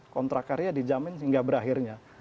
kontrak karya dijamin hingga berakhirnya